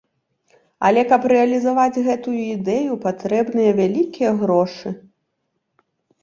Але каб рэалізаваць гэтую ідэю, патрэбныя вялікія грошы.